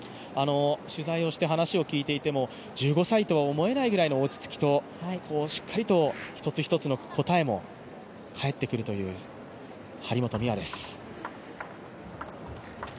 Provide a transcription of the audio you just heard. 取材をして話を聞いていても１５歳とは思えないぐらいの落ち着きとしっかりと一つ一つの答えも返ってくるという張本美和です。